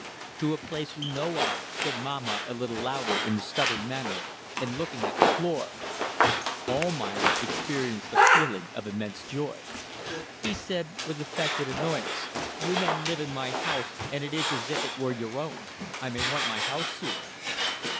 "To a place we know of," said Mahmat, a little louder, in a stubborn manner, and looking at the floor. Almayer experienced a feeling of immense joy. He said, with affected annoyance "You men live in my house and it is as if it were your own. I may want my house soon."